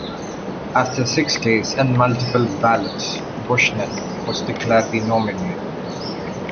After six days and multiple ballots, Buchanan was declared the nominee.